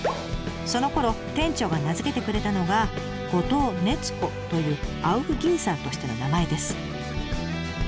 そのころ店長が名付けてくれたのが「五塔熱子」というアウフギーサーとしての名前です。